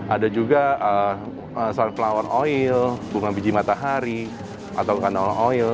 ada juga sunflower oil bunga biji matahari atau canola oil